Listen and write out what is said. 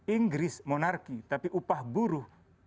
inggris monarki tapi upah buruh